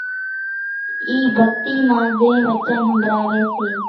اِي ڀڳتي مان زين وچن ۿنڀراوي سي۔